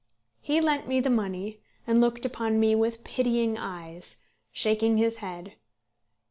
He lent me the money, and looked upon me with pitying eyes, shaking his head.